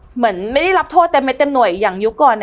เหมือนไม่ได้รับโทษเต็มหน่วยอย่างยุคก่อน